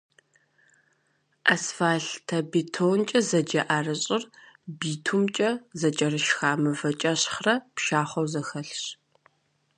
Асфальтобетонкӏэ зэджэ ӏэрыщӏыр битумкӏэ зэкӏэрышха мывэкӏэщхърэ пшахъуэу зэхэлъщ.